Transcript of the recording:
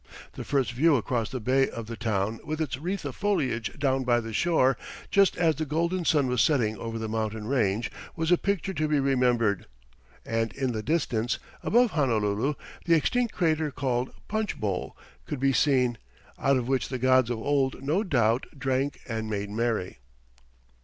The first view across the bay of the town with its wreath of foliage down by the shore, just as the golden sun was setting over the mountain range, was a picture to be remembered. And in the distance, above Honolulu, the extinct crater called Punchbowl could be seen, out of which the gods of old no doubt drank and made merry.